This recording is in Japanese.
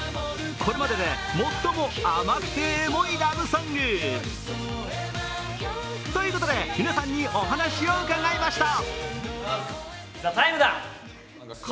これまでで最も甘くてエモいラブソング。ということで、皆さんにお話を伺いました。